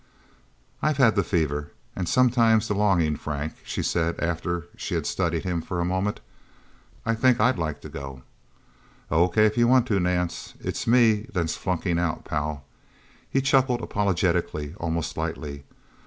"I've had the fever. And sometimes the longing, Frank," she said after she had studied him for a moment. "I think I'd like to go." "Only if you want to, Nance. It's me that's flunking out, pal." He chuckled apologetically, almost lightly.